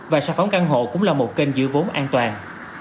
và sản phẩm căn hộ cũng là một kênh giữ vốn an toàn